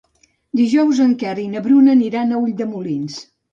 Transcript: Dijous en Quer i na Bruna aniran a Ulldemolins.